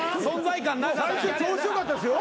最初調子良かったですよ。